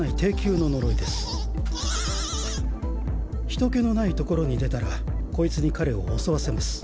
人けのない所に出たらこいつに彼を襲わせます。